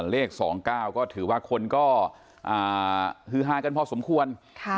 เลข๒๙ก็ถือว่าคนก็ฮือฮากันพอสมควร